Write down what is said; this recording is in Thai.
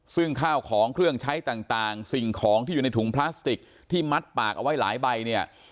ซึ่งข้าวของเครื่องใช้ต่างสิ่งของที่อยู่ในถุงพลาสติกที่มัดปากเอาไว้หลายใบเนี่ย